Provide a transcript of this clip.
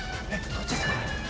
どっちっすか？